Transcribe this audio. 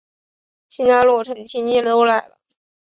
新家落成亲戚都来了